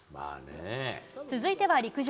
続いては陸上。